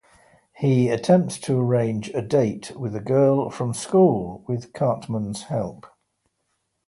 He attempts to arrange a date with a girl from school, with Cartman's help.